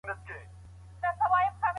د مطالعې پر مهال باید بشپړه چوپتیا واکمنه وي.